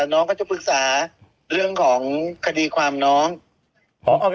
น้องก็จะปรึกษาเรื่องของคดีความน้อง